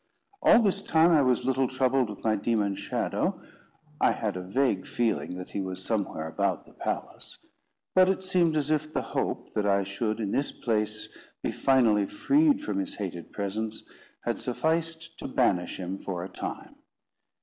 All this time I was little troubled with my demon shadow I had a vague feeling that he was somewhere about the palace; but it seemed as if the hope that I should in this place be finally freed from his hated presence, had sufficed to banish him for a time.